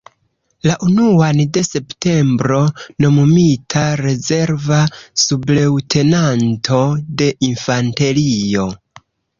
La unuan de septembro nomumita rezerva subleŭtenanto de infanterio.